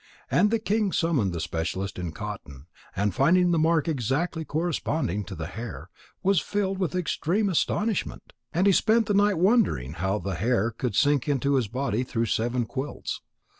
And the king summoned the specialist in cotton, and finding the mark exactly corresponding to the hair, was filled with extreme astonishment. And he spent that night wondering how the hair could sink into his body through seven quilts.